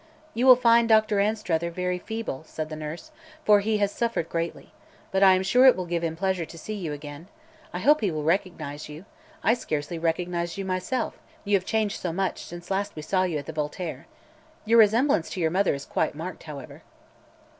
"You will find Doctor Anstruther very feeble," said the nurse, "for he has suffered greatly. But I am sure it will give him pleasure to see you again. I hope he will recognize you. I scarcely recognized you, myself, you have changed so much since last we saw you at the Voltaire. Your resemblance to your mother is quite marked, however."